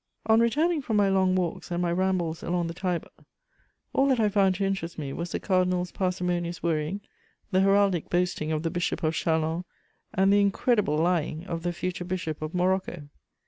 On returning from my long walks and my rambles along the Tiber, all that I found to interest me was the cardinal's parsimonious worrying, the heraldic boasting of the Bishop of Châlons, and the incredible lying of the future Bishop of Morocco.